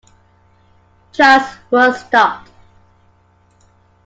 Trials were stopped.